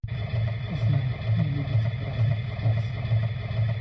Знаю, не любите праздных фраз вы.